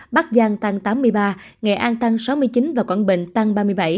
bắc giang tăng tám mươi ba nghệ an tăng sáu mươi chín và quảng bình tăng ba mươi bảy